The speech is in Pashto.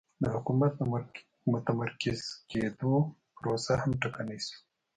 د حکومت د متمرکز کېدو پروسه هم ټکنۍ شوه